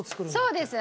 そうです。